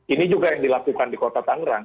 ini juga yang dilakukan di kota tangerang